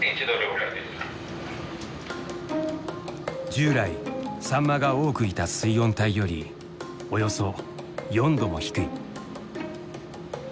従来サンマが多くいた水温帯よりおよそ４℃も低い。